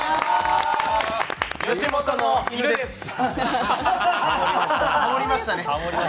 ハモりましたね。